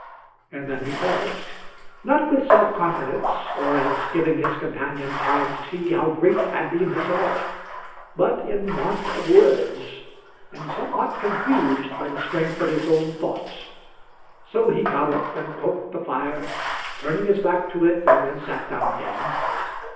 And then he paused; not with self confidence, or as giving his companion time to see how great had been his art, but in want of words, and somewhat confused by the strength of his own thoughts. So he got up and poked the fire, turning his back to it, and then sat down again.